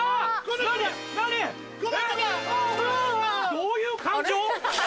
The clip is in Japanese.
どういう感情？